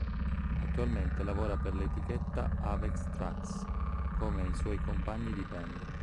Attualmente lavora per l'etichetta Avex Trax, come i suoi compagni di band.